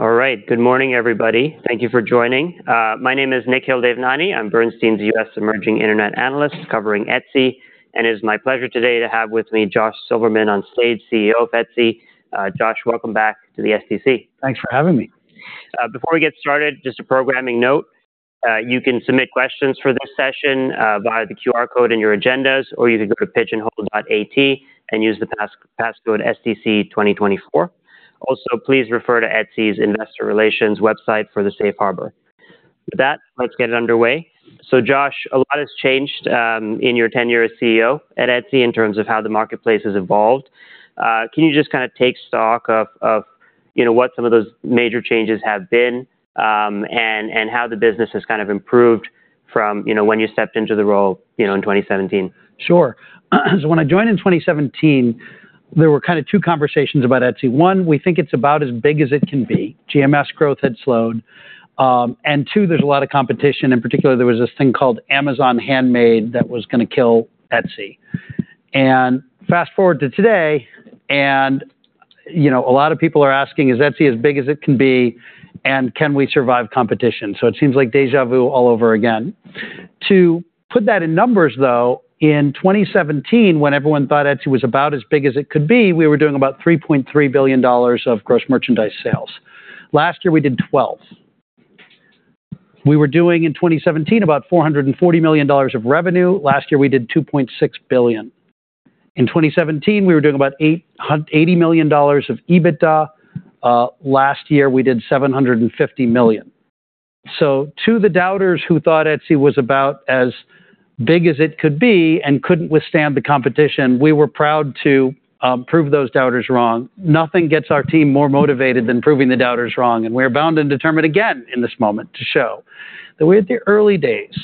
All right. Good morning, everybody. Thank you for joining. My name is Nikhil Devnani. I'm Bernstein's U.S. Emerging Internet Analyst, covering Etsy, and it is my pleasure today to have with me, Josh Silverman on stage, CEO of Etsy. Josh, welcome back to the STC. Thanks for having me. Before we get started, just a programming note, you can submit questions for this session via the QR code in your agendas, or you can go to pigeonhole.at and use the passcode, STC2024. Also, please refer to Etsy's investor relations website for the safe harbor. With that, let's get it underway. So Josh, a lot has changed in your tenure as CEO at Etsy in terms of how the marketplace has evolved. Can you just kind of take stock of, you know, what some of those major changes have been, and how the business has kind of improved from, you know, when you stepped into the role, you know, in 2017? Sure. So when I joined in 2017, there were kind of two conversations about Etsy. One, we think it's about as big as it can be. GMS growth had slowed. And two, there's a lot of competition. In particular, there was this thing called Amazon Handmade that was gonna kill Etsy. And fast-forward to today, and, you know, a lot of people are asking, is Etsy as big as it can be, and can we survive competition? So it seems like déjà vu all over again. To put that in numbers, though, in 2017, when everyone thought Etsy was about as big as it could be, we were doing about $3.3 billion of gross merchandise sales. Last year, we did $12 billion. We were doing, in 2017, about $440 million of revenue. Last year, we did $2.6 billion. In 2017, we were doing about $80 million of EBITDA. Last year, we did $750 million. So to the doubters who thought Etsy was about as big as it could be and couldn't withstand the competition, we were proud to prove those doubters wrong. Nothing gets our team more motivated than proving the doubters wrong, and we're bound and determined again in this moment to show that we're at the early days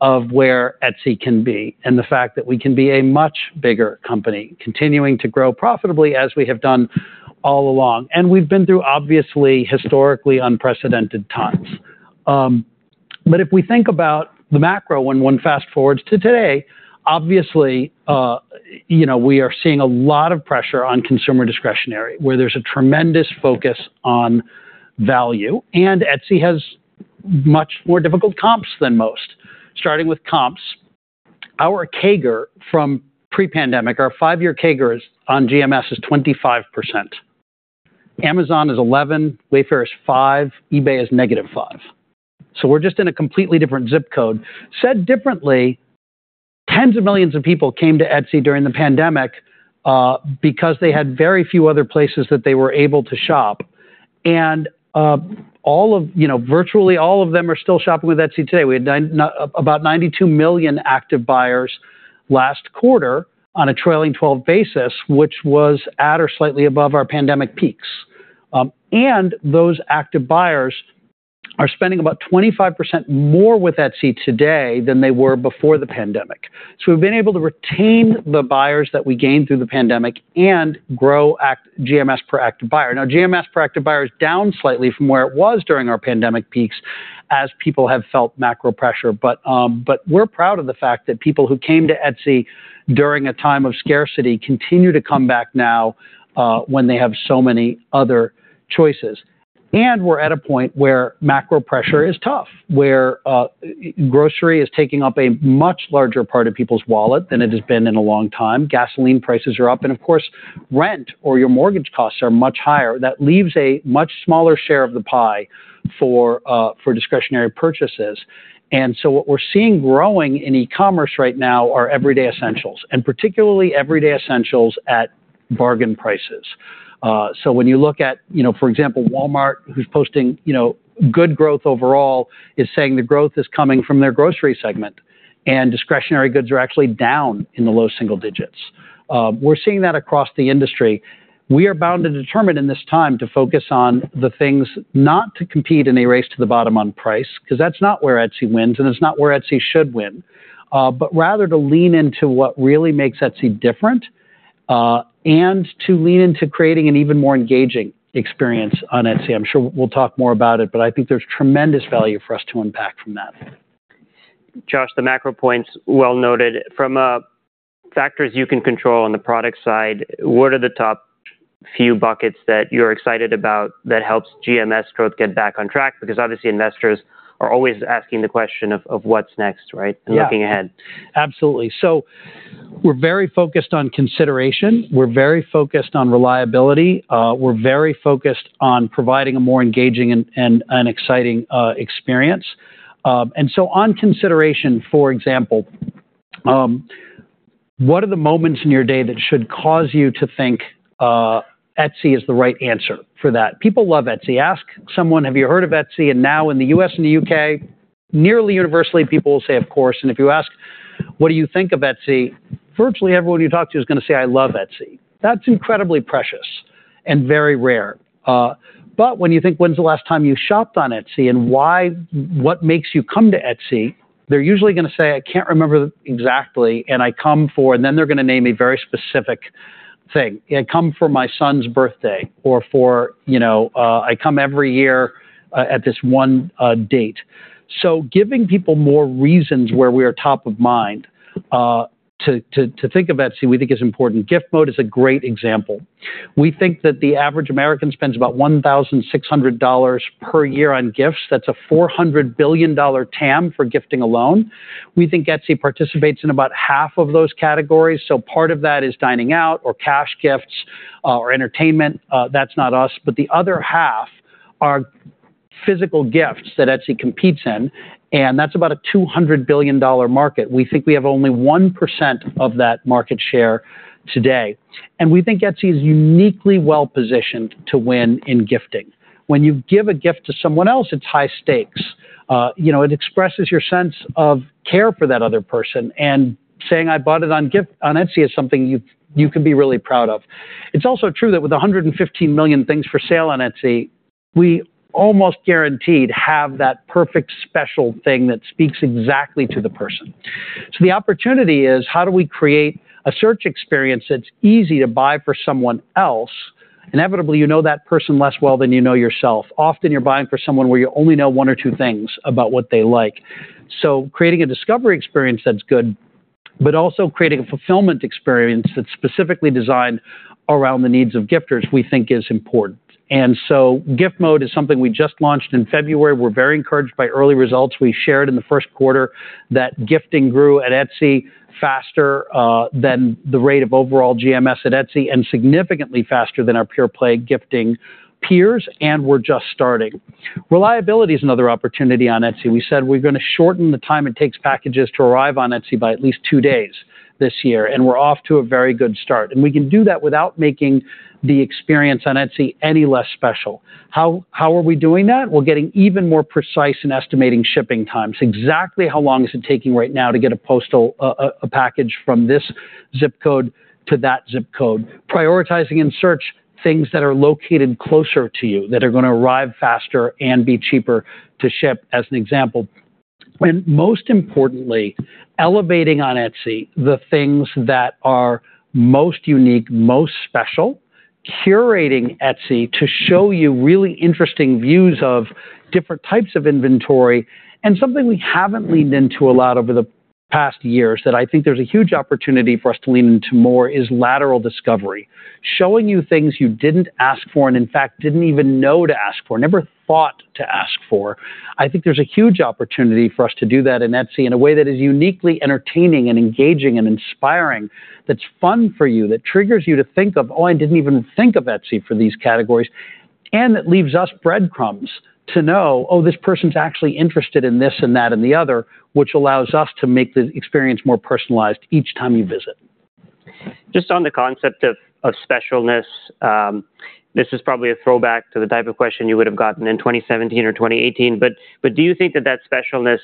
of where Etsy can be, and the fact that we can be a much bigger company, continuing to grow profitably, as we have done all along. We've been through, obviously, historically unprecedented times. But if we think about the macro, when one fast-forwards to today, obviously, you know, we are seeing a lot of pressure on consumer discretionary, where there's a tremendous focus on value, and Etsy has much more difficult comps than most. Starting with comps, our CAGR from pre-pandemic, our five-year CAGR is, on GMS is 25%. Amazon is 11, Wayfair is five, eBay is -5. So we're just in a completely different zip code. Said differently, tens of millions of people came to Etsy during the pandemic, because they had very few other places that they were able to shop. And all of... You know, virtually, all of them are still shopping with Etsy today. We had about 92 million active buyers last quarter on a trailing twelve basis, which was at or slightly above our pandemic peaks. And those active buyers are spending about 25% more with Etsy today than they were before the pandemic. So we've been able to retain the buyers that we gained through the pandemic and grow GMS per active buyer. Now, GMS per active buyer is down slightly from where it was during our pandemic peaks, as people have felt macro pressure. But, but we're proud of the fact that people who came to Etsy during a time of scarcity continue to come back now, when they have so many other choices. And we're at a point where macro pressure is tough, where, grocery is taking up a much larger part of people's wallet than it has been in a long time. Gasoline prices are up, and of course, rent or your mortgage costs are much higher. That leaves a much smaller share of the pie for discretionary purchases. And so what we're seeing growing in e-commerce right now are everyday essentials, and particularly, everyday essentials at bargain prices. So when you look at, you know, for example, Walmart, who's posting, you know, good growth overall, is saying the growth is coming from their grocery segment, and discretionary goods are actually down in the low single digits. We're seeing that across the industry. We are bound and determined in this time to focus on the things, not to compete in a race to the bottom on price, 'cause that's not where Etsy wins, and it's not where Etsy should win, but rather to lean into what really makes Etsy different, and to lean into creating an even more engaging experience on Etsy. I'm sure we'll talk more about it, but I think there's tremendous value for us to unpack from that. Josh, the macro point's well noted. From factors you can control on the product side, what are the top few buckets that you're excited about that helps GMS growth get back on track? Because obviously, investors are always asking the question of, of what's next, right? Yeah... Looking ahead. Absolutely. So we're very focused on consideration, we're very focused on reliability, we're very focused on providing a more engaging and, and an exciting, experience. And so on consideration, for example, what are the moments in your day that should cause you to think, Etsy is the right answer for that? People love Etsy. Ask someone, "Have you heard of Etsy?" And now in the U.S. and the U.K., nearly universally, people will say, "Of course." And if you ask, "What do you think of Etsy?" Virtually everyone you talk to is going to say, "I love Etsy." That's incredibly precious and very rare. But when you think, when's the last time you shopped on Etsy and why, what makes you come to Etsy, they're usually gonna say, "I can't remember exactly, and I come for..." And then they're gonna name a very specific thing. "I come for my son's birthday," or for, you know, "I come every year, at this one, date."... So giving people more reasons where we are top of mind, to think of Etsy, we think is important. Gift Mode is a great example. We think that the average American spends about $1,600 per year on gifts. That's a $400 billion TAM for gifting alone. We think Etsy participates in about half of those categories, so part of that is dining out or cash gifts, or entertainment. That's not us. But the other half are physical gifts that Etsy competes in, and that's about a $200 billion market. We think we have only 1% of that market share today, and we think Etsy is uniquely well-positioned to win in gifting. When you give a gift to someone else, it's high stakes. You know, it expresses your sense of care for that other person, and saying, "I bought it on Gift on Etsy," is something you can be really proud of. It's also true that with 115 million things for sale on Etsy, we almost guaranteed have that perfect special thing that speaks exactly to the person. So the opportunity is, how do we create a search experience that's easy to buy for someone else? Inevitably, you know that person less well than you know yourself. Often, you're buying for someone where you only know one or two things about what they like. So creating a discovery experience, that's good, but also creating a fulfillment experience that's specifically designed around the needs of gifters, we think is important. And so Gift Mode is something we just launched in February. We're very encouraged by early results. We shared in the first quarter that gifting grew at Etsy faster than the rate of overall GMS at Etsy, and significantly faster than our pure-play gifting peers, and we're just starting. Reliability is another opportunity on Etsy. We said we're gonna shorten the time it takes packages to arrive on Etsy by at least two days this year, and we're off to a very good start. And we can do that without making the experience on Etsy any less special. How are we doing that? We're getting even more precise in estimating shipping times. Exactly how long is it taking right now to get a postal, a package from this zip code to that zip code? Prioritizing in search, things that are located closer to you, that are gonna arrive faster and be cheaper to ship, as an example. And most importantly, elevating on Etsy, the things that are most unique, most special, curating Etsy to show you really interesting views of different types of inventory. And something we haven't leaned into a lot over the past years, that I think there's a huge opportunity for us to lean into more, is lateral discovery. Showing you things you didn't ask for, and in fact, didn't even know to ask for, never thought to ask for. I think there's a huge opportunity for us to do that in Etsy in a way that is uniquely entertaining and engaging and inspiring, that's fun for you, that triggers you to think of, Oh, I didn't even think of Etsy for these categories. It leaves us breadcrumbs to know, oh, this person's actually interested in this and that and the other, which allows us to make the experience more personalized each time you visit. Just on the concept of specialness, this is probably a throwback to the type of question you would have gotten in 2017 or 2018, but do you think that that specialness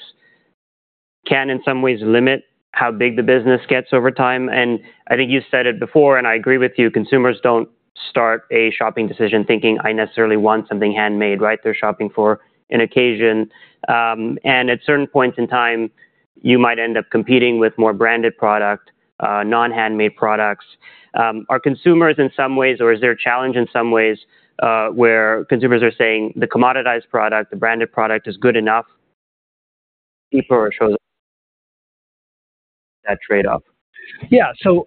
can, in some ways, limit how big the business gets over time? And I think you said it before, and I agree with you, consumers don't start a shopping decision thinking I necessarily want something handmade, right? They're shopping for an occasion. And at certain points in time, you might end up competing with more branded product, non-handmade products. Are consumers in some ways, or is there a challenge in some ways, where consumers are saying the commoditized product, the branded product is good enough before it shows that trade-off? Yeah. So,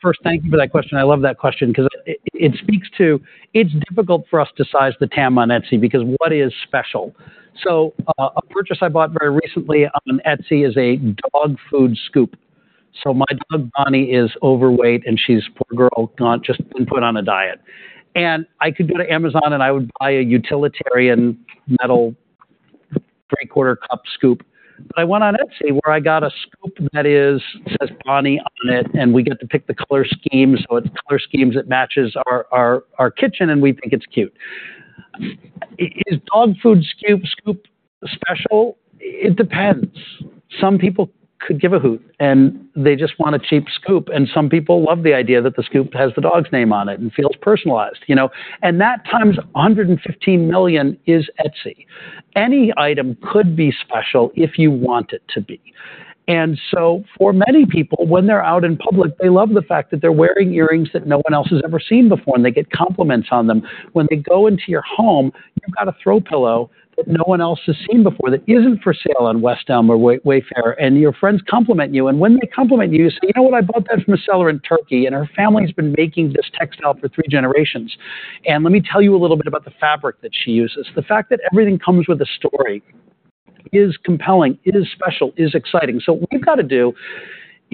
first, thank you for that question. I love that question because it speaks to... It's difficult for us to size the TAM on Etsy, because what is special? So, a purchase I bought very recently on Etsy is a dog food scoop. So my dog, Bonnie, is overweight and she's, poor girl, not just been put on a diet. And I could go to Amazon, and I would buy a utilitarian metal, three-quarter cup scoop. But I went on Etsy, where I got a scoop that is, says Bonnie on it, and we get to pick the color schemes, so it's color schemes that matches our kitchen, and we think it's cute. Is dog food scoop, scoop special? It depends. Some people could give a hoot, and they just want a cheap scoop, and some people love the idea that the scoop has the dog's name on it and feels personalized, you know. And that, times 115 million, is Etsy. Any item could be special if you want it to be. And so for many people, when they're out in public, they love the fact that they're wearing earrings that no one else has ever seen before, and they get compliments on them. When they go into your home, you've got a throw pillow that no one else has seen before, that isn't for sale on West Elm or Wayfair, and your friends compliment you. And when they compliment you, you say, "You know what? I bought that from a seller in Turkey, and her family's been making this textile for three generations. And let me tell you a little bit about the fabric that she uses." The fact that everything comes with a story is compelling, it is special, is exciting. So what we've got to do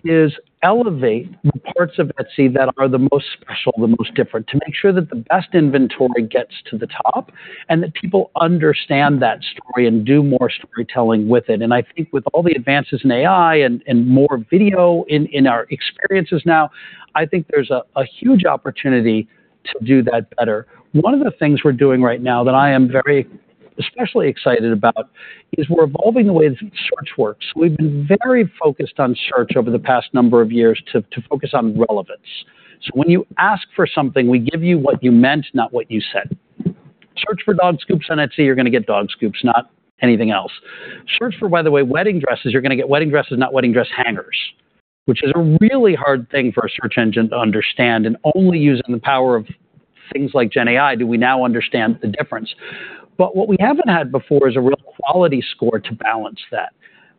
is elevate the parts of Etsy that are the most special, the most different, to make sure that the best inventory gets to the top, and that people understand that story and do more storytelling with it. And I think with all the advances in AI and more video in our experiences now, I think there's a huge opportunity to do that better. One of the things we're doing right now that I am very especially excited about is we're evolving the way the search works. We've been very focused on search over the past number of years to focus on relevance. So when you ask for something, we give you what you meant, not what you said. Search for dog scoops on Etsy, you're gonna get dog scoops, not anything else. Search for, by the way, wedding dresses, you're gonna get wedding dresses, not wedding dress hangers... which is a really hard thing for a search engine to understand, and only using the power of things like GenAI, do we now understand the difference. But what we haven't had before is a real quality score to balance that.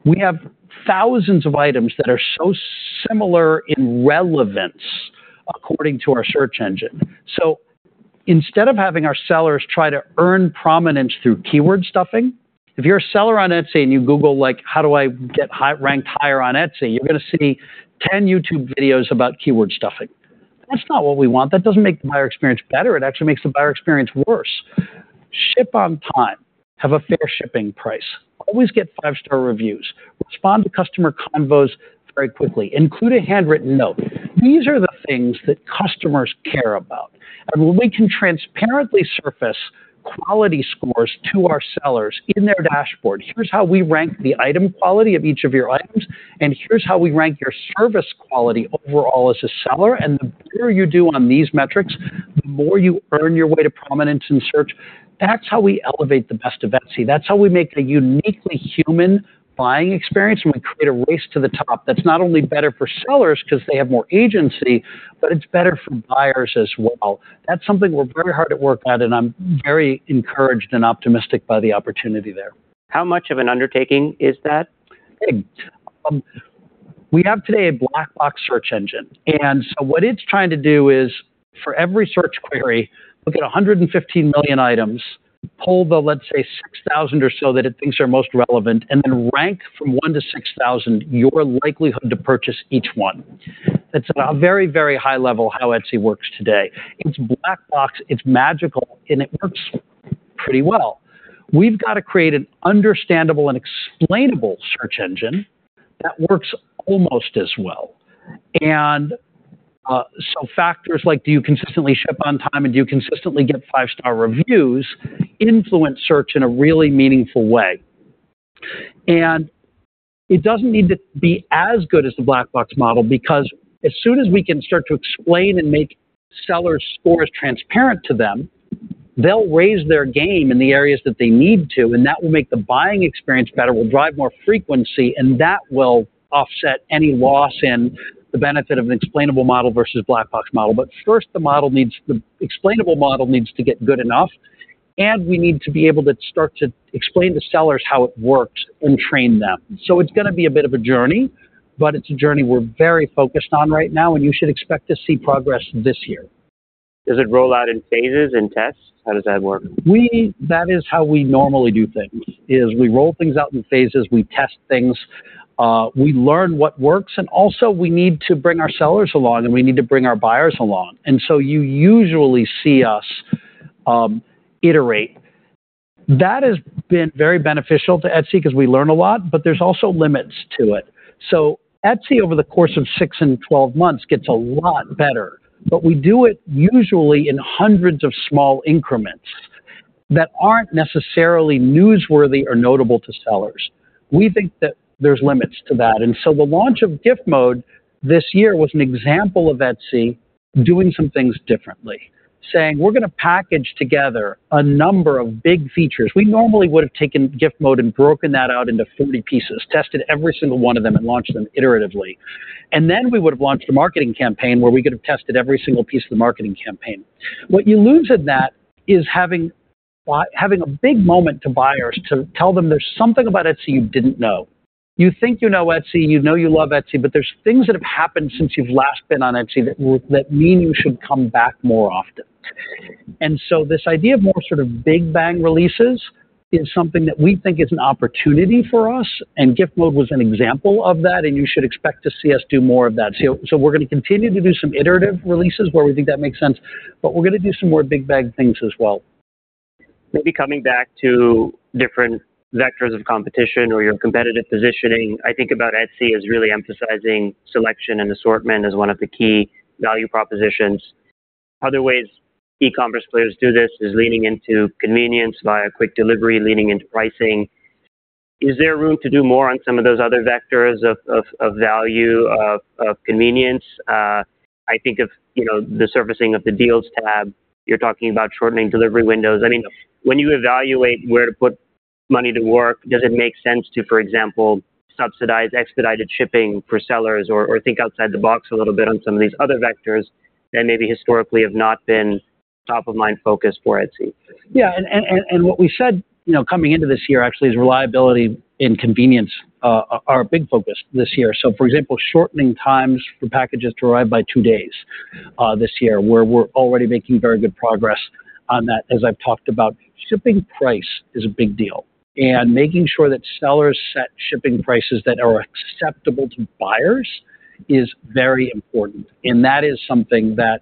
We have thousands of items that are so similar in relevance according to our search engine. So instead of having our sellers try to earn prominence through keyword stuffing, if you're a seller on Etsy and you Google, like, "How do I get higher ranked on Etsy?" You're gonna see 10 YouTube videos about keyword stuffing. That's not what we want. That doesn't make the buyer experience better. It actually makes the buyer experience worse. Ship on time. Have a fair shipping price. Always get five-star reviews. Respond to customer convos very quickly. Include a handwritten note. These are the things that customers care about, and when we can transparently surface quality scores to our sellers in their dashboard, "Here's how we rank the item quality of each of your items, and here's how we rank your service quality overall as a seller. And the better you do on these metrics, the more you earn your way to prominence in search," that's how we elevate the best of Etsy. That's how we make a uniquely human buying experience, and we create a race to the top that's not only better for sellers 'cause they have more agency, but it's better for buyers as well. That's something we're very hard at work on, and I'm very encouraged and optimistic by the opportunity there. How much of an undertaking is that? We have today a black box search engine, and so what it's trying to do is, for every search query, look at 115 million items, pull the, let's say, 6,000 or so that it thinks are most relevant, and then rank from 1-6,000 your likelihood to purchase each one. That's at a very, very high level how Etsy works today. It's black box, it's magical, and it works pretty well. We've got to create an understandable and explainable search engine that works almost as well. So factors like, do you consistently ship on time, and do you consistently get five-star reviews, influence search in a really meaningful way. And it doesn't need to be as good as the black box model because as soon as we can start to explain and make sellers' scores transparent to them, they'll raise their game in the areas that they need to, and that will make the buying experience better, will drive more frequency, and that will offset any loss in the benefit of an explainable model versus black box model. But first, the model needs... the explainable model needs to get good enough, and we need to be able to start to explain to sellers how it works and train them. So it's gonna be a bit of a journey, but it's a journey we're very focused on right now, and you should expect to see progress this year. Does it roll out in phases and tests? How does that work? That is how we normally do things, is we roll things out in phases, we test things, we learn what works, and also we need to bring our sellers along, and we need to bring our buyers along, and so you usually see us, iterate. That has been very beneficial to Etsy 'cause we learn a lot, but there's also limits to it. So Etsy, over the course of six and 12 months, gets a lot better, but we do it usually in hundreds of small increments that aren't necessarily newsworthy or notable to sellers. We think that there's limits to that. So the launch of Gift Mode this year was an example of Etsy doing some things differently, saying, "We're gonna package together a number of big features." We normally would have taken Gift Mode and broken that out into 40 pieces, tested every single one of them, and launched them iteratively. Then we would have launched a marketing campaign where we could have tested every single piece of the marketing campaign. What you lose in that is having a big moment to buyers to tell them there's something about Etsy you didn't know. You think you know Etsy, and you know you love Etsy, but there's things that have happened since you've last been on Etsy that mean you should come back more often. This idea of more sort of big bang releases is something that we think is an opportunity for us, and Gift Mode was an example of that, and you should expect to see us do more of that. So, we're gonna continue to do some iterative releases where we think that makes sense, but we're gonna do some more big bang things as well. Maybe coming back to different vectors of competition or your competitive positioning, I think about Etsy as really emphasizing selection and assortment as one of the key value propositions. Other ways e-commerce players do this is leaning into convenience via quick delivery, leaning into pricing. Is there room to do more on some of those other vectors of value, of convenience? I think of, you know, the surfacing of the Deals tab. You're talking about shortening delivery windows. I mean, when you evaluate where to put money to work, does it make sense to, for example, subsidize expedited shipping for sellers or think outside the box a little bit on some of these other vectors that maybe historically have not been top-of-mind focus for Etsy? Yeah, what we said, you know, coming into this year actually, is reliability and convenience are a big focus this year. So for example, shortening times for packages to arrive by two days this year, where we're already making very good progress on that, as I've talked about. Shipping price is a big deal, and making sure that sellers set shipping prices that are acceptable to buyers is very important, and that is something that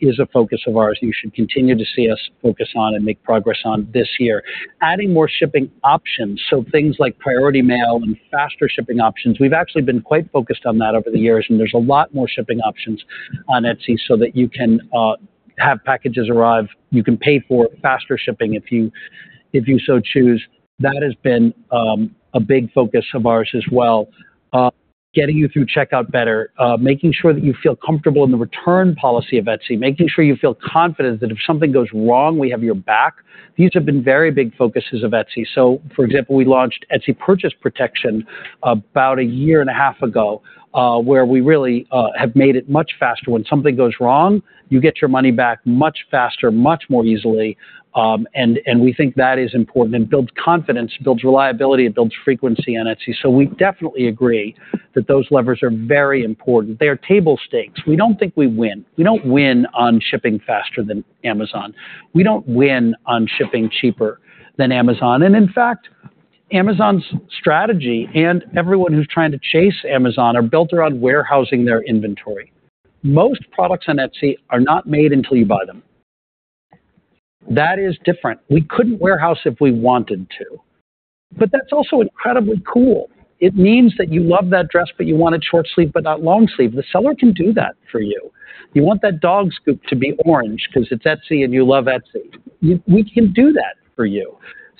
is a focus of ours, and you should continue to see us focus on and make progress on this year. Adding more shipping options, so things like Priority Mail and faster shipping options. We've actually been quite focused on that over the years, and there's a lot more shipping options on Etsy so that you can have packages arrive... You can pay for faster shipping if you so choose. That has been a big focus of ours as well. Getting you through checkout better, making sure that you feel comfortable in the return policy of Etsy, making sure you feel confident that if something goes wrong, we have your back. These have been very big focuses of Etsy. So, for example, we launched Etsy Purchase Protection about a year and a half ago, where we really have made it much faster. When something goes wrong, you get your money back much faster, much more easily, and we think that is important and builds confidence, builds reliability, and builds frequency on Etsy. So we definitely agree that those levers are very important. They are table stakes. We don't think we win. We don't win on shipping faster than Amazon. We don't win on shipping cheaper than Amazon. And in fact, Amazon's strategy, and everyone who's trying to chase Amazon, are built around warehousing their inventory. Most products on Etsy are not made until you buy them. That is different. We couldn't warehouse if we wanted to, but that's also incredibly cool. It means that you love that dress, but you want it short sleeve, but not long sleeve. The seller can do that for you. You want that dog scoop to be orange 'cause it's Etsy and you love Etsy. We, we can do that for you.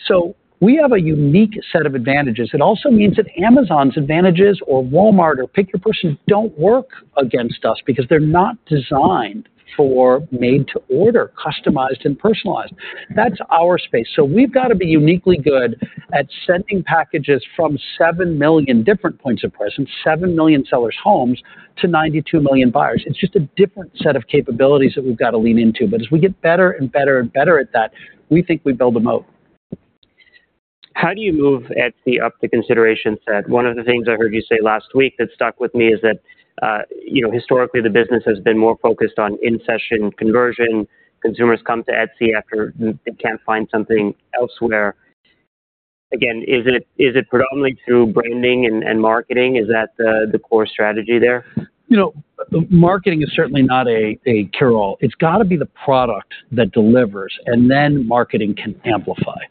So we have a unique set of advantages. It also means that Amazon's advantages or Walmart or pick your poison, don't work against us because they're not designed for made to order, customized and personalized. That's our space. So we've got to be uniquely good at sending packages from 7 million different points of presence, 7 million sellers' homes, to 92 million buyers. It's just a different set of capabilities that we've got to lean into. But as we get better and better and better at that, we think we build a moat. How do you move Etsy up the consideration set? One of the things I heard you say last week that stuck with me is that, you know, historically, the business has been more focused on in-session conversion. Consumers come to Etsy after they can't find something elsewhere. Again, is it, is it predominantly through branding and, and marketing? Is that the, the core strategy there? You know, marketing is certainly not a cure-all. It's got to be the product that delivers, and then marketing can amplify.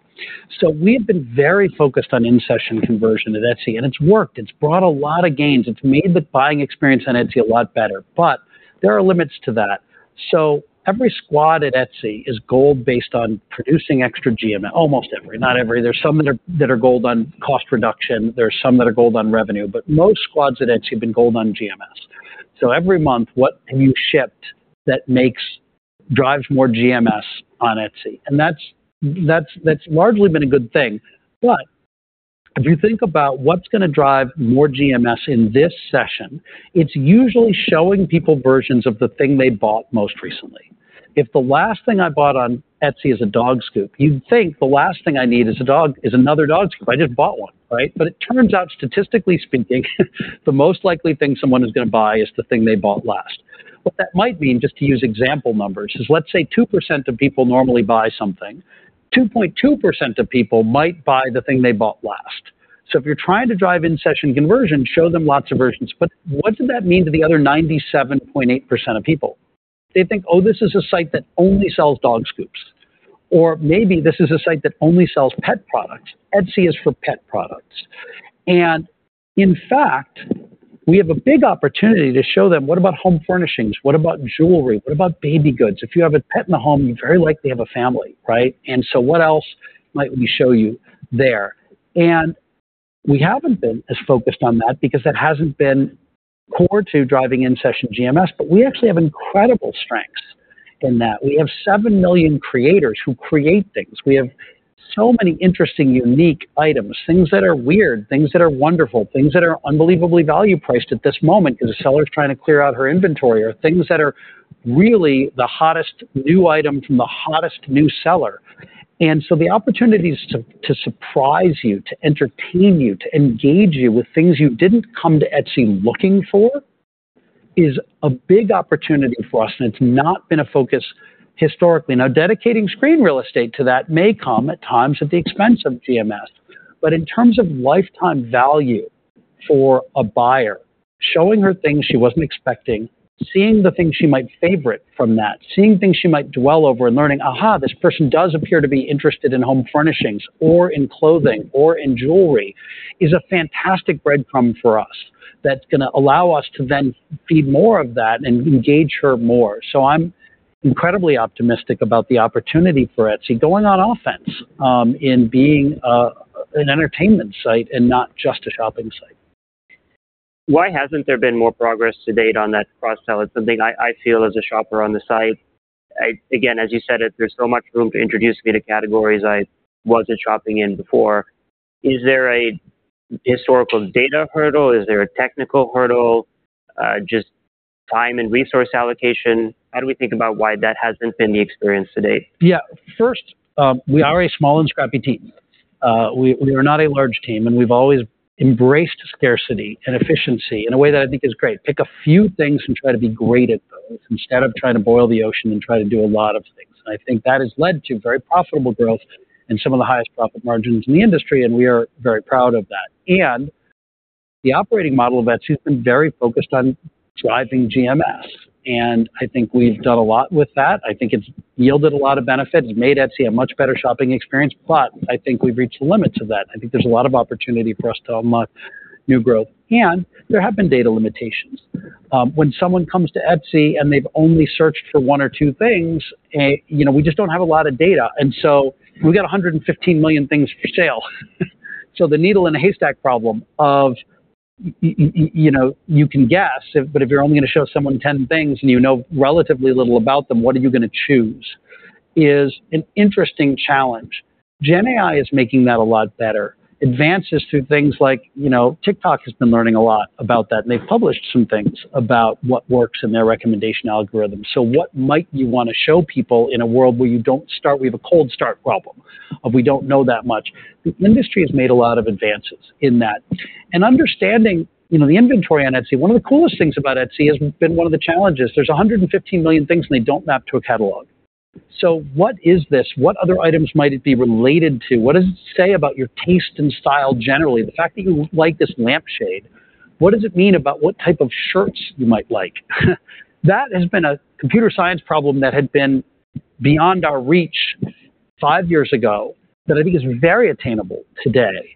So we've been very focused on in-session conversion at Etsy, and it's worked. It's brought a lot of gains. It's made the buying experience on Etsy a lot better, but there are limits to that. So every squad at Etsy is goal based on producing extra GMS. Almost every, not every. There are some that are goal on cost reduction, there are some that are goal on revenue, but most squads at Etsy have been goal on GMS. So every month, what have you shipped that drives more GMS on Etsy? And that's largely been a good thing. But if you think about what's gonna drive more GMS in this session, it's usually showing people versions of the thing they bought most recently. If the last thing I bought on Etsy is a dog scoop, you'd think the last thing I need is another dog scoop. I just bought one, right? But it turns out, statistically speaking, the most likely thing someone is gonna buy is the thing they bought last. What that might mean, just to use example numbers, is, let's say 2% of people normally buy something, 2.2% of people might buy the thing they bought last. So if you're trying to drive in-session conversion, show them lots of versions. But what does that mean to the other 97.8% of people? They think, "Oh, this is a site that only sells dog scoops," or, "Maybe this is a site that only sells pet products. Etsy is for pet products." And in fact, we have a big opportunity to show them, what about home furnishings? What about jewelry? What about baby goods? If you have a pet in the home, you very likely have a family, right? And so what else might we show you there? And we haven't been as focused on that because that hasn't been core to driving in-session GMS, but we actually have incredible strengths in that. We have 7 million creators who create things. We have so many interesting, unique items, things that are weird, things that are wonderful, things that are unbelievably value-priced at this moment because a seller's trying to clear out her inventory, or things that are really the hottest new item from the hottest new seller. And so the opportunities to surprise you, to entertain you, to engage you with things you didn't come to Etsy looking for, is a big opportunity for us, and it's not been a focus historically. Now, dedicating screen real estate to that may come at times at the expense of GMS. But in terms of lifetime value for a buyer, showing her things she wasn't expecting, seeing the things she might favorite from that, seeing things she might dwell over and learning, aha, this person does appear to be interested in home furnishings or in clothing or in jewelry, is a fantastic breadcrumb for us that's gonna allow us to then feed more of that and engage her more. So I'm incredibly optimistic about the opportunity for Etsy going on offense, in being, an entertainment site and not just a shopping site. Why hasn't there been more progress to date on that cross-sell? It's something I, I feel as a shopper on the site. I, again, as you said it, there's so much room to introduce me to categories I wasn't shopping in before. Is there a historical data hurdle? Is there a technical hurdle, just time and resource allocation? How do we think about why that hasn't been the experience to date? Yeah. First, we are a small and scrappy team. We are not a large team, and we've always embraced scarcity and efficiency in a way that I think is great. Pick a few things and try to be great at those, instead of trying to boil the ocean and try to do a lot of things. And I think that has led to very profitable growth and some of the highest profit margins in the industry, and we are very proud of that. And the operating model of Etsy has been very focused on driving GMS, and I think we've done a lot with that. I think it's yielded a lot of benefits. It's made Etsy a much better shopping experience, but I think we've reached the limits of that. I think there's a lot of opportunity for us to unlock new growth, and there have been data limitations. When someone comes to Etsy and they've only searched for one or two things, you know, we just don't have a lot of data, and so we got 115 million things for sale. So the needle in a haystack problem of—you know, you can guess, if, but if you're only gonna show someone 10 things and you know relatively little about them, what are you gonna choose? Is an interesting challenge. GenAI is making that a lot better. Advances to things like, you know, TikTok has been learning a lot about that, and they've published some things about what works in their recommendation algorithm. So what might you wanna show people in a world where you don't start. We have a cold start problem of we don't know that much. The industry has made a lot of advances in that. Understanding, you know, the inventory on Etsy, one of the coolest things about Etsy has been one of the challenges. There's 115 million things, and they don't map to a catalog. So what is this? What other items might it be related to? What does it say about your taste and style generally? The fact that you like this lampshade, what does it mean about what type of shirts you might like? That has been a computer science problem that had been beyond our reach five years ago, that I think is very attainable today.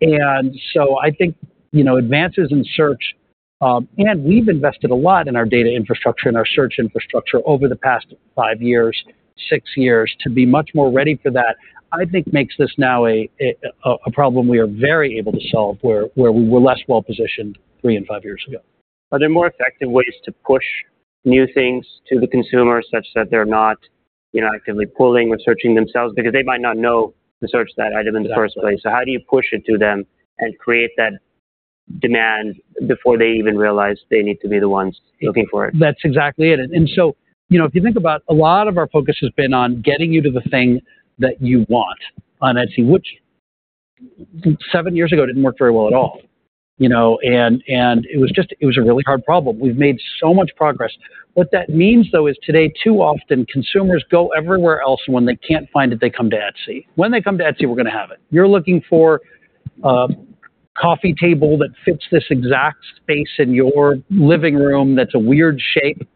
And so I think, you know, advances in search, and we've invested a lot in our data infrastructure and our search infrastructure over the past 5 years, 6 years, to be much more ready for that, I think, makes this now a problem we are very able to solve, where we were less well positioned three and five years ago. Are there more effective ways to push new things to the consumer, such that they're not, you know, actively pulling or searching themselves? Because they might not know to search that item in the first place. So how do you push it to them and create that demand before they even realize they need to be the ones looking for it? That's exactly it. And so, you know, if you think about... A lot of our focus has been on getting you to the thing that you want on Etsy, which seven years ago didn't work very well at all. You know, and it was just a really hard problem. We've made so much progress. What that means, though, is today, too often, consumers go everywhere else, and when they can't find it, they come to Etsy. When they come to Etsy, we're gonna have it. You're looking for coffee table that fits this exact space in your living room, that's a weird shape,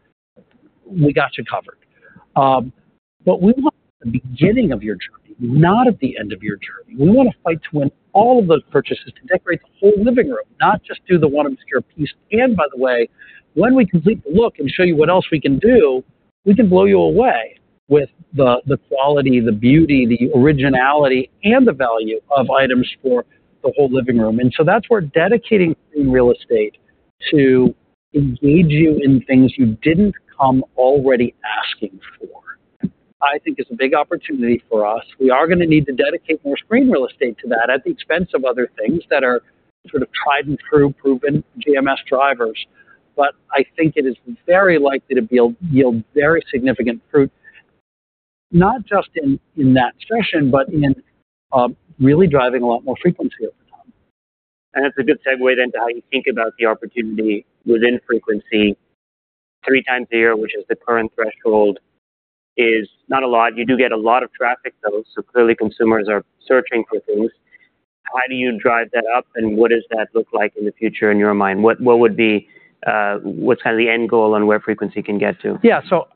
we got you covered. But we want the beginning of your journey, not at the end of your journey. We wanna fight to win all of those purchases, to decorate the whole living room, not just do the one obscure piece. And by the way, when we complete the look and show you what else we can do, we can blow you away with the quality, the beauty, the originality, and the value of items for the whole living room. And so that's where dedicating real estate to engage you in things you didn't come already asking for, I think is a big opportunity for us. We are gonna need to dedicate more screen real estate to that at the expense of other things that are sort of tried and true, proven GMS drivers, but I think it is very likely to build, yield very significant fruit, not just in, in that session, but in, really driving a lot more frequency over time. That's a good segue, then, to how you think about the opportunity within frequency. Three times a year, which is the current threshold, is not a lot. You do get a lot of traffic, though, so clearly consumers are searching for things. How do you drive that up, and what does that look like in the future, in your mind? What, what would be, what's kind of the end goal on where frequency can get to? Yeah. So,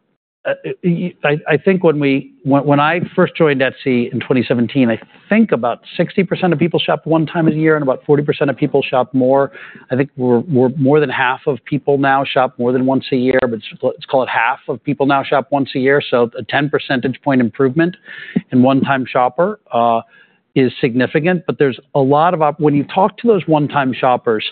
I think when I first joined Etsy in 2017, I think about 60% of people shopped one time a year, and about 40% of people shopped more. I think we're more than half of people now shop more than once a year, but let's call it half of people now shop once a year. So a 10 percentage point improvement in one-time shopper is significant. But there's a lot. When you talk to those one-time shoppers,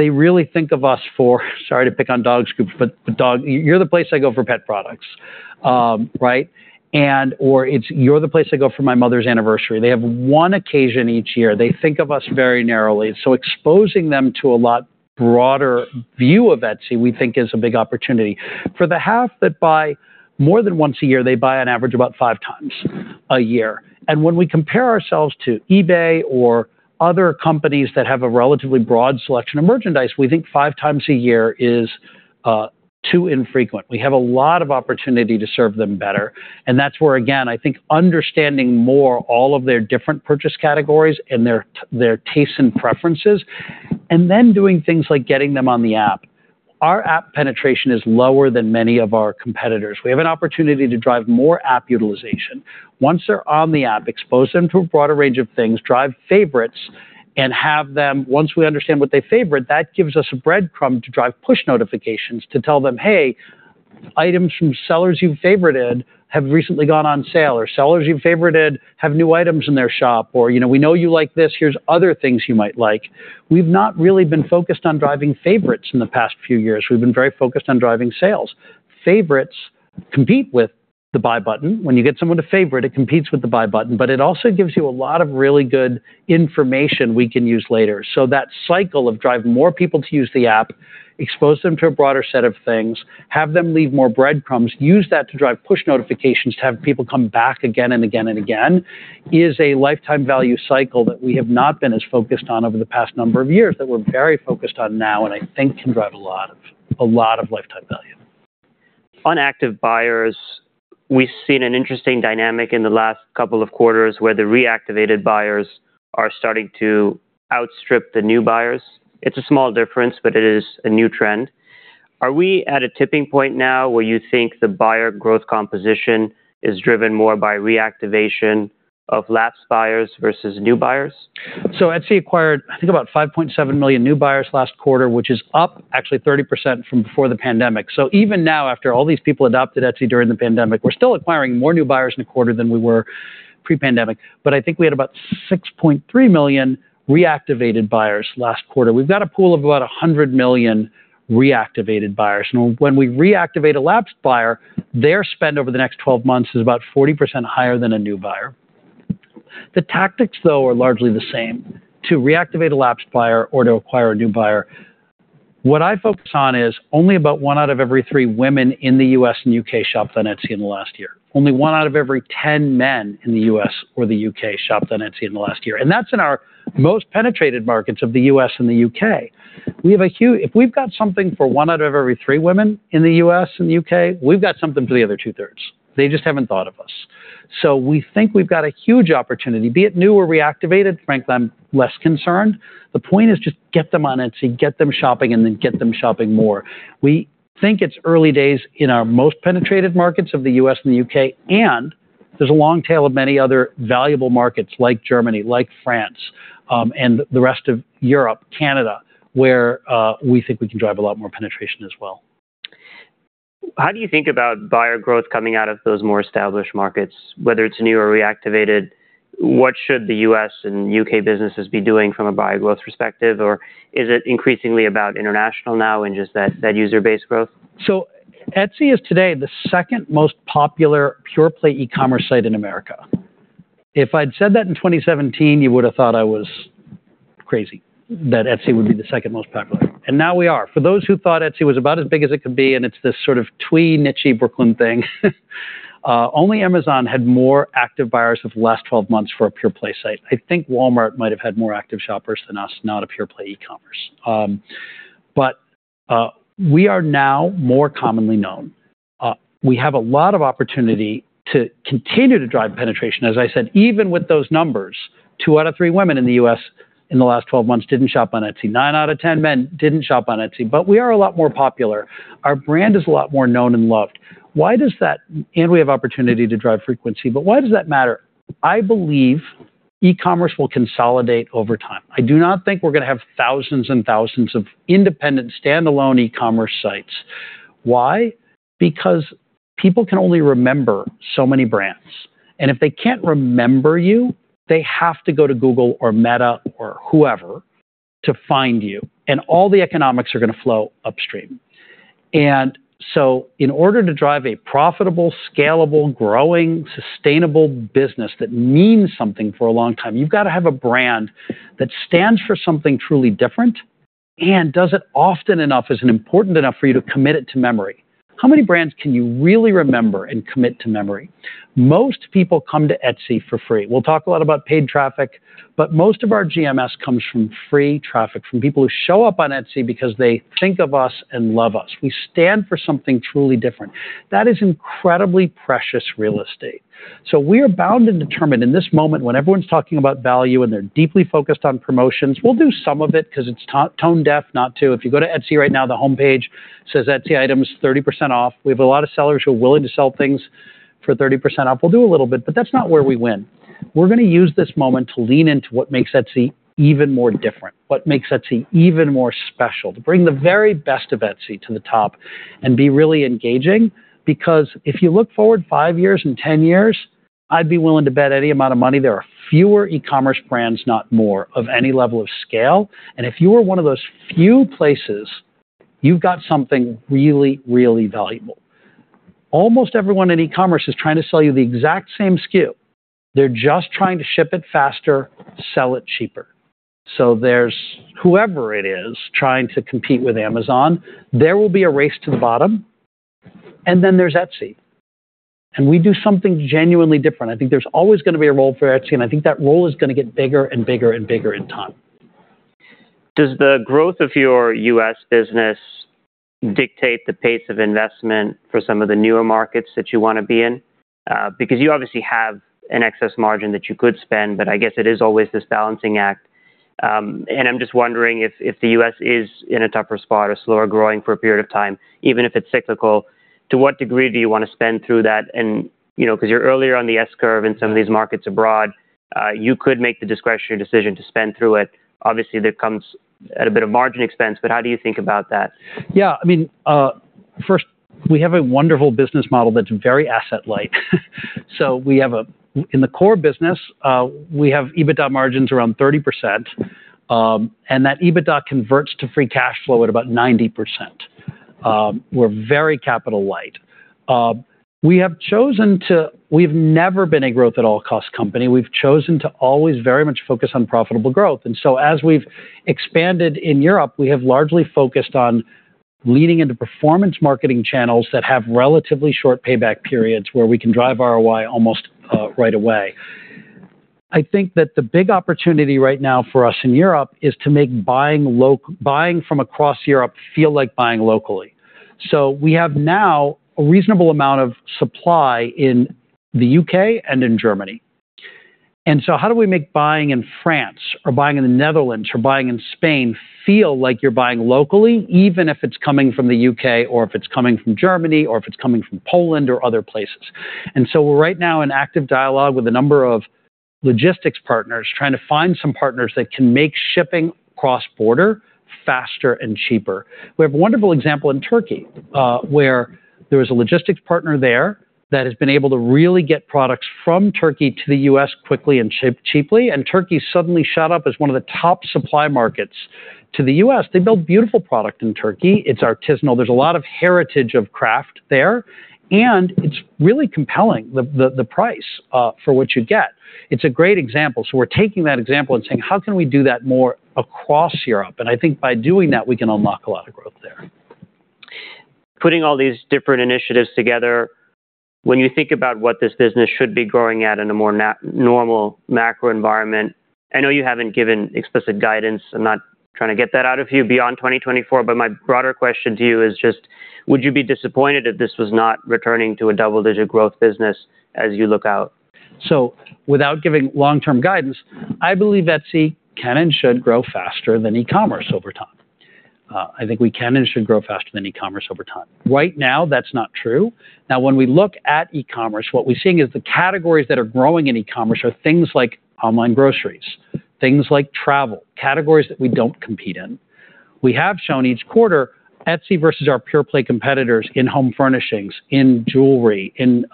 they really think of us for, sorry to pick on dog scoops, but dog... You're the place I go for pet products, right? And/or it's, You're the place I go for my mother's anniversary. They have one occasion each year. They think of us very narrowly. So exposing them to a lot broader view of Etsy, we think, is a big opportunity. For the half that buy more than once a year, they buy on average about five times a year. And when we compare ourselves to eBay or other companies that have a relatively broad selection of merchandise, we think 5x a year is too infrequent. We have a lot of opportunity to serve them better, and that's where, again, I think understanding more all of their different purchase categories and their tastes and preferences, and then doing things like getting them on the app. Our app penetration is lower than many of our competitors. We have an opportunity to drive more app utilization. Once they're on the app, expose them to a broader range of things, drive favorites, and have them... Once we understand what they favorite, that gives us a breadcrumb to drive push notifications, to tell them, "Hey, items from sellers you've favorited have recently gone on sale," or, "Sellers you've favorited have new items in their shop," or, you know, "We know you like this. Here's other things you might like." We've not really been focused on driving favorites in the past few years. We've been very focused on driving sales. Favorites compete with the buy button. When you get someone to favorite, it competes with the buy button, but it also gives you a lot of really good information we can use later. So that cycle of driving more people to use the app, expose them to a broader set of things, have them leave more breadcrumbs, use that to drive push notifications, to have people come back again and again and again, is a lifetime value cycle that we have not been as focused on over the past number of years, that we're very focused on now, and I think can drive a lot of, a lot of lifetime value. On active buyers, we've seen an interesting dynamic in the last couple of quarters, where the reactivated buyers are starting to outstrip the new buyers. It's a small difference, but it is a new trend. Are we at a tipping point now, where you think the buyer growth composition is driven more by reactivation of lapsed buyers versus new buyers? So Etsy acquired, I think, about 5.7 million new buyers last quarter, which is up actually 30% from before the pandemic. So even now, after all these people adopted Etsy during the pandemic, we're still acquiring more new buyers in a quarter than we were pre-pandemic, but I think we had about 6.3 million reactivated buyers last quarter. We've got a pool of about 100 million reactivated buyers. Now, when we reactivate a lapsed buyer, their spend over the next 12 months is about 40% higher than a new buyer. The tactics, though, are largely the same, to reactivate a lapsed buyer or to acquire a new buyer. What I focus on is only about one out of every three women in the U.S. and U.K. shopped on Etsy in the last year. Only one out of every ten men in the U.S. or the U.K. shopped on Etsy in the last year, and that's in our most penetrated markets of the U.S. and the U.K. We have a huge-- If we've got something for one out of every three women in the U.S. and the U.K., we've got something for the other two-thirds. They just haven't thought of us. So we think we've got a huge opportunity, be it new or reactivated. Frankly, I'm less concerned. The point is just get them on Etsy, get them shopping, and then get them shopping more. We think it's early days in our most penetrated markets of the U.S. and the U.K., and there's a long tail of many other valuable markets like Germany, like France, and the rest of Europe, Canada, where we think we can drive a lot more penetration as well. How do you think about buyer growth coming out of those more established markets, whether it's new or reactivated? What should the U.S. and U.K. businesses be doing from a buyer growth perspective, or is it increasingly about international now and just that user base growth? So Etsy is today the second most popular pure-play e-commerce site in America. If I'd said that in 2017, you would've thought I was crazy, that Etsy would be the second most popular, and now we are. For those who thought Etsy was about as big as it could be, and it's this sort of twee, niche-y Brooklyn thing, only Amazon had more active buyers of the last 12 months for a pure-play site. I think Walmart might have had more active shoppers than us, not a pure-play e-commerce. But, we are now more commonly known. We have a lot of opportunity to continue to drive penetration. As I said, even with those numbers, two out of three women in the U.S. in the last 12 months didn't shop on Etsy. Nine out of ten men didn't shop on Etsy, but we are a lot more popular. Our brand is a lot more known and loved. Why does that, and we have opportunity to drive frequency, but why does that matter? I believe e-commerce will consolidate over time. I do not think we're going to have thousands and thousands of independent, standalone e-commerce sites. Why? Because people can only remember so many brands, and if they can't remember you, they have to go to Google or Meta or whoever to find you, and all the economics are going to flow upstream. And so in order to drive a profitable, scalable, growing, sustainable business that means something for a long time, you've got to have a brand that stands for something truly different and does it often enough, as in important enough, for you to commit it to memory. How many brands can you really remember and commit to memory? Most people come to Etsy for free. We'll talk a lot about paid traffic, but most of our GMS comes from free traffic, from people who show up on Etsy because they think of us and love us. We stand for something truly different. That is incredibly precious real estate. So we are bound and determined in this moment, when everyone's talking about value, and they're deeply focused on promotions. We'll do some of it 'cause it's tone deaf not to. If you go to Etsy right now, the homepage says, "Etsy items 30% off." We have a lot of sellers who are willing to sell things for 30% off. We'll do a little bit, but that's not where we win. We're going to use this moment to lean into what makes Etsy even more different, what makes Etsy even more special, to bring the very best of Etsy to the top and be really engaging, because if you look forward five years and 10 years, I'd be willing to bet any amount of money there are fewer e-commerce brands, not more, of any level of scale. And if you are one of those few places, you've got something really, really valuable. Almost everyone in e-commerce is trying to sell you the exact same skill. They're just trying to ship it faster, sell it cheaper. So there's, whoever it is, trying to compete with Amazon, there will be a race to the bottom, and then there's Etsy, and we do something genuinely different. I think there's always going to be a role for Etsy, and I think that role is going to get bigger and bigger and bigger in time. Does the growth of your U.S. business dictate the pace of investment for some of the newer markets that you want to be in? Because you obviously have an excess margin that you could spend, but I guess it is always this balancing act. I'm just wondering if the U.S. is in a tougher spot or slower growing for a period of time, even if it's cyclical, to what degree do you want to spend through that? And, you know, 'cause you're earlier on the S-curve in some of these markets abroad, you could make the discretionary decision to spend through it. Obviously, that comes at a bit of margin expense, but how do you think about that? Yeah, I mean, first, we have a wonderful business model that's very asset light. So we have-- In the core business, we have EBITDA margins around 30%, and that EBITDA converts to free cash flow at about 90%. We're very capital light. We have chosen to-- We've never been a growth-at-all-costs company. We've chosen to always very much focus on profitable growth. And so as we've expanded in Europe, we have largely focused on leaning into performance marketing channels that have relatively short payback periods, where we can drive ROI almost right away. I think that the big opportunity right now for us in Europe is to make buying loc-- buying from across Europe feel like buying locally. So we have now a reasonable amount of supply in the U.K and in Germany. How do we make buying in France or buying in the Netherlands or buying in Spain feel like you're buying locally, even if it's coming from the U.K or if it's coming from Germany or if it's coming from Poland or other places? We're right now in active dialogue with a number of logistics partners, trying to find some partners that can make shipping cross-border faster and cheaper. We have a wonderful example in Turkey, where there is a logistics partner there that has been able to really get products from Turkey to the U.S. quickly and ship cheaply, and Turkey suddenly shot up as one of the top supply markets to the U.S.. They build beautiful product in Turkey. It's artisanal. There's a lot of heritage of craft there, and it's really compelling, the price for what you get. It's a great example. So we're taking that example and saying: How can we do that more across Europe? And I think by doing that, we can unlock a lot of growth there. Putting all these different initiatives together, when you think about what this business should be growing at in a more normal macro environment, I know you haven't given explicit guidance. I'm not trying to get that out of you beyond 2024, but my broader question to you is just: Would you be disappointed if this was not returning to a double-digit growth business as you look out? So without giving long-term guidance, I believe Etsy can and should grow faster than e-commerce over time. I think we can and should grow faster than e-commerce over time. Right now, that's not true. Now, when we look at e-commerce, what we're seeing is the categories that are growing in e-commerce are things like online groceries, things like travel, categories that we don't compete in. We have shown each quarter, Etsy versus our pure-play competitors in home furnishings, in jewelry, in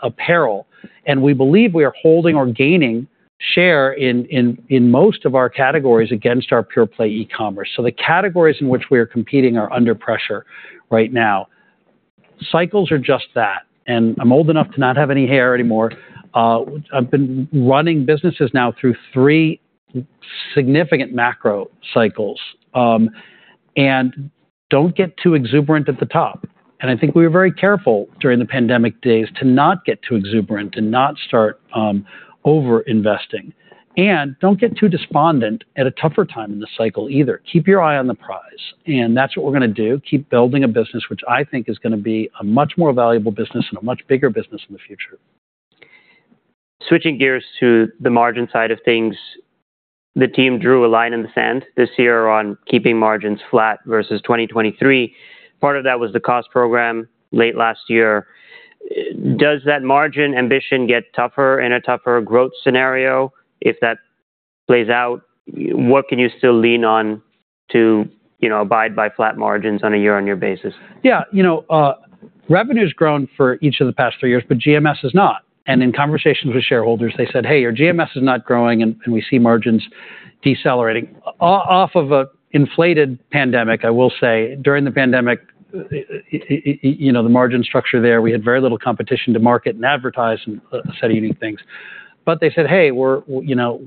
apparel, and we believe we are holding or gaining share in most of our categories against our pure-play e-commerce. So the categories in which we are competing are under pressure right now. Cycles are just that, and I'm old enough to not have any hair anymore. I've been running businesses now through three significant macro cycles, and don't get too exuberant at the top, and I think we were very careful during the pandemic days to not get too exuberant and not start over-investing. Don't get too despondent at a tougher time in the cycle either. Keep your eye on the prize, and that's what we're going to do, keep building a business, which I think is going to be a much more valuable business and a much bigger business in the future. Switching gears to the margin side of things, the team drew a line in the sand this year on keeping margins flat versus 2023. Part of that was the cost program late last year. Does that margin ambition get tougher in a tougher growth scenario? If that plays out, what can you still lean on to, you know, abide by flat margins on a year-on-year basis? Yeah, you know, revenue's grown for each of the past three years, but GMS is not. And in conversations with shareholders, they said, "Hey, your GMS is not growing, and we see margins decelerating." Off of an inflated pandemic, I will say, during the pandemic, you know, the margin structure there, we had very little competition to market and advertise and set unique things. But they said, "Hey, we're, you know,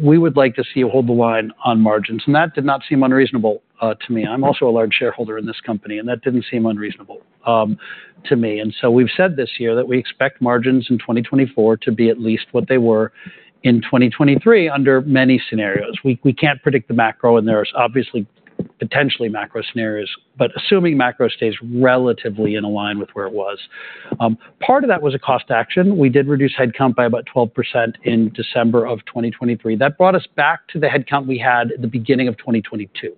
we would like to see you hold the line on margins." And that did not seem unreasonable to me. I'm also a large shareholder in this company, and that didn't seem unreasonable to me. And so we've said this year that we expect margins in 2024 to be at least what they were in 2023 under many scenarios. We can't predict the macro, and there's obviously, potentially macro scenarios, but assuming macro stays relatively in line with where it was. Part of that was a cost action. We did reduce headcount by about 12% in December of 2023. That brought us back to the headcount we had at the beginning of 2022.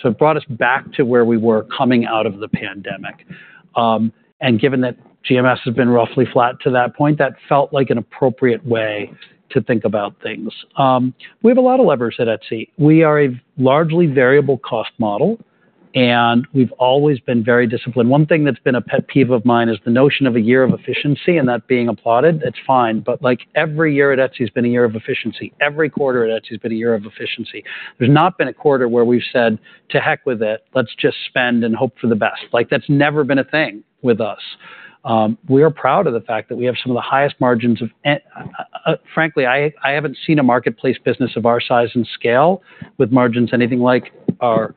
So it brought us back to where we were coming out of the pandemic. Given that GMS has been roughly flat to that point, that felt like an appropriate way to think about things. We have a lot of levers at Etsy. We are a largely variable cost model, and we've always been very disciplined. One thing that's been a pet peeve of mine is the notion of a year of efficiency and that being applauded. It's fine, but, like, every year at Etsy has been a year of efficiency. Every quarter at Etsy has been a year of efficiency. There's not been a quarter where we've said, "To heck with it, let's just spend and hope for the best." Like, that's never been a thing with us. We are proud of the fact that we have some of the highest margins of... Frankly, I haven't seen a marketplace business of our size and scale with margins anything like our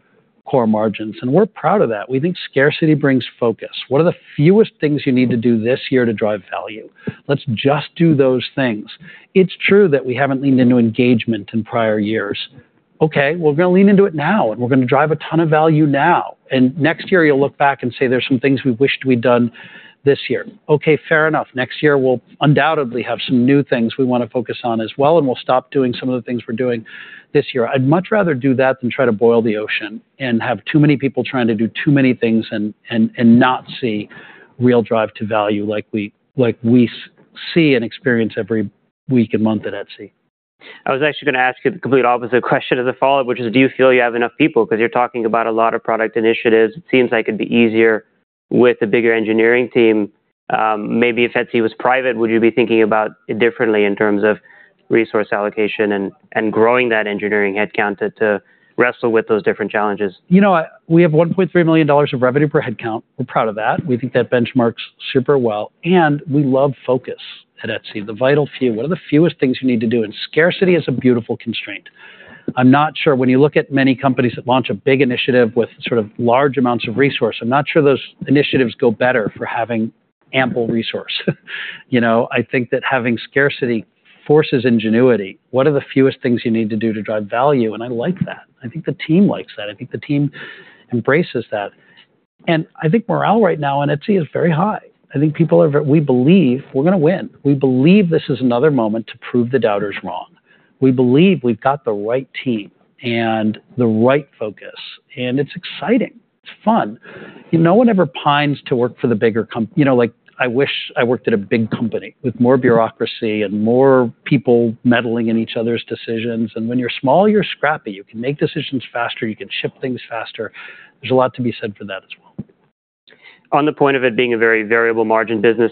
core margins, and we're proud of that. We think scarcity brings focus. What are the fewest things you need to do this year to drive value? Let's just do those things. It's true that we haven't leaned into engagement in prior years. Okay, we're going to lean into it now, and we're going to drive a ton of value now, and next year, you'll look back and say, "There's some things we wished we'd done this year." Okay, fair enough. Next year, we'll undoubtedly have some new things we want to focus on as well, and we'll stop doing some of the things we're doing this year. I'd much rather do that than try to boil the ocean and have too many people trying to do too many things and not see real drive to value like we see and experience every week and month at Etsy. I was actually going to ask you the complete opposite question as a follow-up, which is: Do you feel you have enough people? Because you're talking about a lot of product initiatives. It seems like it'd be easier with a bigger engineering team. Maybe if Etsy was private, would you be thinking about it differently in terms of resource allocation and growing that engineering headcount to wrestle with those different challenges? You know what? We have $1.3 million of revenue per headcount. We're proud of that. We think that benchmarks super well, and we love focus at Etsy, the vital few. What are the fewest things you need to do? And scarcity is a beautiful constraint. I'm not sure... When you look at many companies that launch a big initiative with sort of large amounts of resource, I'm not sure those initiatives go better for having ample resource. You know, I think that having scarcity forces ingenuity. What are the fewest things you need to do to drive value? And I like that. I think the team likes that. I think the team embraces that, and I think morale right now in Etsy is very high. I think people are. We believe we're going to win. We believe this is another moment to prove the doubters wrong.... We believe we've got the right team and the right focus, and it's exciting. It's fun. No one ever pines to work for the bigger comp-- You know, like, I wish I worked at a big company with more bureaucracy and more people meddling in each other's decisions. And when you're small, you're scrappy. You can make decisions faster, you can ship things faster. There's a lot to be said for that as well. On the point of it being a very variable margin business,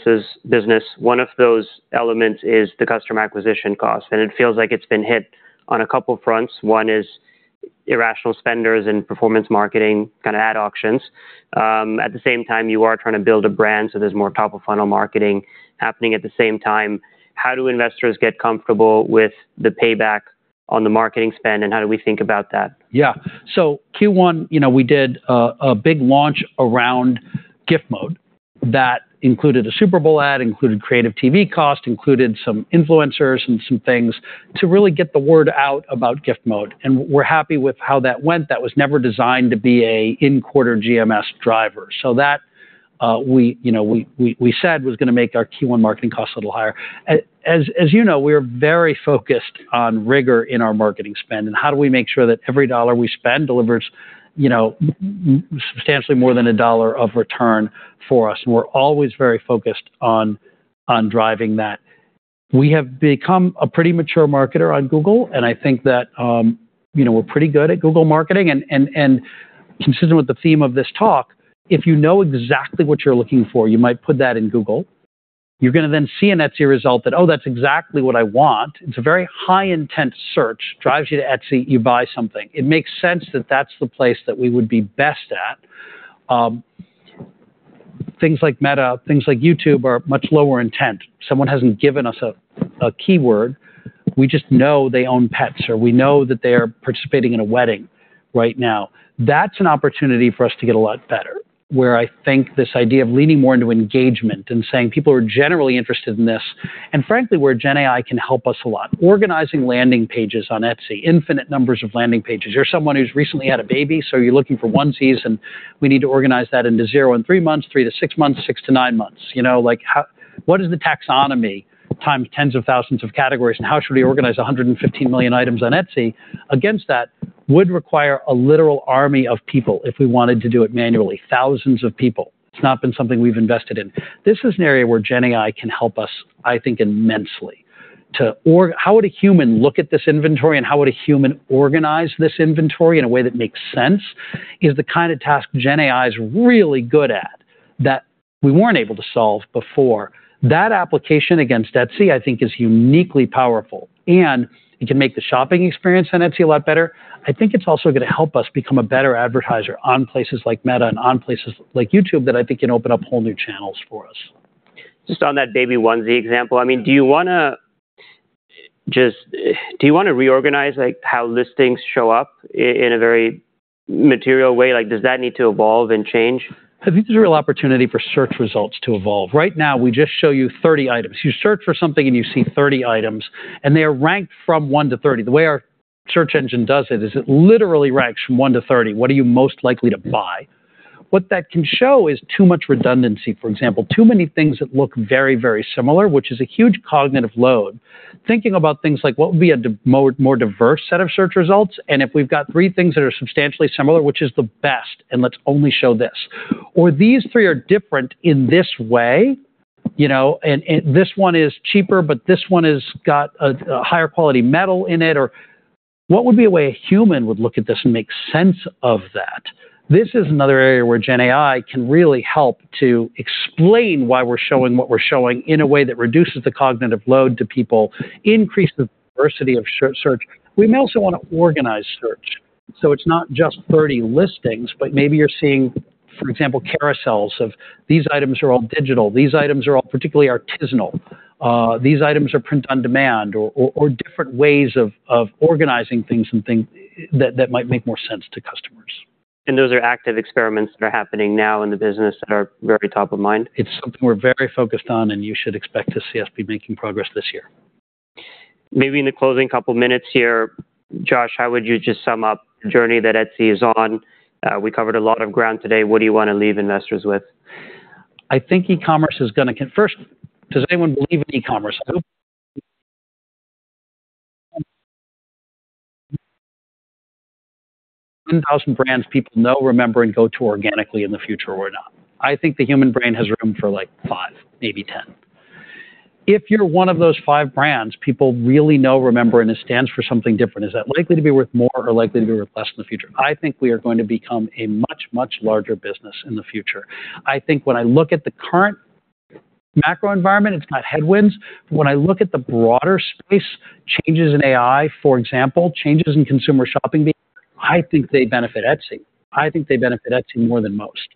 one of those elements is the customer acquisition cost, and it feels like it's been hit on a couple fronts. One is irrational spenders and performance marketing kind of ad auctions. At the same time, you are trying to build a brand, so there's more top-of-funnel marketing happening at the same time. How do investors get comfortable with the payback on the marketing spend, and how do we think about that? Yeah. So Q1, you know, we did a big launch around Gift Mode that included a Super Bowl ad, included creative TV cost, included some influencers and some things to really get the word out about Gift Mode, and we're happy with how that went. That was never designed to be a in-quarter GMS driver. So that, we, you know, we said was gonna make our Q1 marketing costs a little higher. As you know, we're very focused on rigor in our marketing spend, and how do we make sure that every dollar we spend delivers, you know, substantially more than a dollar of return for us? And we're always very focused on driving that. We have become a pretty mature marketer on Google, and I think that, you know, we're pretty good at Google Marketing. Considering with the theme of this talk, if you know exactly what you're looking for, you might put that in Google. You're gonna then see an Etsy result that, "Oh, that's exactly what I want." It's a very high intent search, drives you to Etsy, you buy something. It makes sense that that's the place that we would be best at. Things like Meta, things like YouTube, are much lower intent. Someone hasn't given us a keyword. We just know they own pets, or we know that they are participating in a wedding right now. That's an opportunity for us to get a lot better, where I think this idea of leaning more into engagement and saying, people are generally interested in this, and frankly, where GenAI can help us a lot. Organizing landing pages on Etsy, infinite numbers of landing pages. You're someone who's recently had a baby, so you're looking for onesies, and we need to organize that into zero and three months, 3-6 months, 6-9 months. You know, like, how-what is the taxonomy, times tens of thousands of categories, and how should we organize 115 million items on Etsy against that, would require a literal army of people if we wanted to do it manually, thousands of people. It's not been something we've invested in. This is an area where GenAI can help us, I think, immensely. To org- How would a human look at this inventory, and how would a human organize this inventory in a way that makes sense, is the kind of task GenAI is really good at, that we weren't able to solve before. That application against Etsy, I think, is uniquely powerful, and it can make the shopping experience on Etsy a lot better. I think it's also gonna help us become a better advertiser on places like Meta and on places like YouTube, that I think can open up whole new channels for us. Just on that baby onesie example, I mean, do you wanna just... Do you wanna reorganize, like, how listings show up in a very material way? Like, does that need to evolve and change? I think there's a real opportunity for search results to evolve. Right now, we just show you 30 items. You search for something, and you see 30 items, and they are ranked from 1-30. The way our search engine does it, is it literally ranks from 1-30. What are you most likely to buy? What that can show is too much redundancy. For example, too many things that look very, very similar, which is a huge cognitive load. Thinking about things like what would be a more diverse set of search results, and if we've got three things that are substantially similar, which is the best, and let's only show this. Or these three are different in this way, you know, and this one is cheaper, but this one is got a higher quality metal in it or... What would be a way a human would look at this and make sense of that? This is another area where GenAI can really help to explain why we're showing what we're showing in a way that reduces the cognitive load to people, increase the diversity of search. We may also want to organize search, so it's not just 30 listings, but maybe you're seeing, for example, carousels of, "These items are all digital, these items are all particularly artisanal, these items are print on demand," or different ways of organizing things and things that might make more sense to customers. Those are active experiments that are happening now in the business that are very top of mind? It's something we're very focused on, and you should expect to see us be making progress this year. Maybe in the closing couple minutes here, Josh, how would you just sum up the journey that Etsy is on? We covered a lot of ground today. What do you want to leave investors with? First, does anyone believe in e-commerce? Thousand brands people know, remember, and go to organically in the future or not? I think the human brain has room for, like, five, maybe 10. If you're one of those five brands, people really know, remember, and it stands for something different. Is that likely to be worth more or likely to be worth less in the future? I think we are going to become a much, much larger business in the future. I think when I look at the current macro environment, it's got headwinds. But when I look at the broader space, changes in AI, for example, changes in consumer shopping behavior, I think they benefit Etsy. I think they benefit Etsy more than most.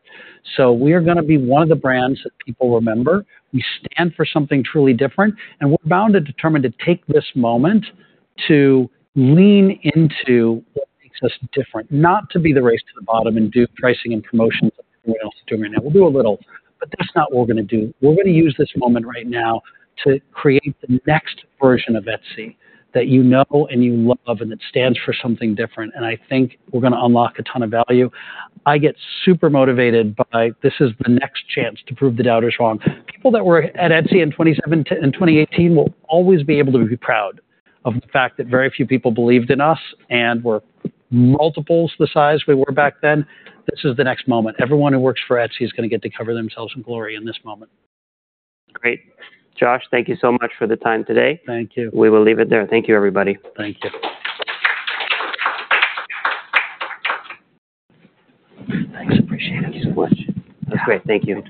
So we are gonna be one of the brands that people remember. We stand for something truly different, and we're bound and determined to take this moment to lean into what makes us different, not to be the race to the bottom and do pricing and promotions like everyone else is doing right now. We'll do a little, but that's not what we're gonna do. We're gonna use this moment right now to create the next version of Etsy that you know and you love, and it stands for something different, and I think we're gonna unlock a ton of value. I get super motivated by this. This is the next chance to prove the doubters wrong. People that were at Etsy in 2017 and 2018 will always be able to be proud of the fact that very few people believed in us, and we're multiples the size we were back then. This is the next moment. Everyone who works for Etsy is gonna get to cover themselves in glory in this moment. Great. Josh, thank you so much for the time today. Thank you. We will leave it there. Thank you, everybody. Thank you. Thanks. Appreciate it so much. That's great. Thank you.